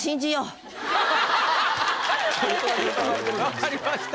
分かりました。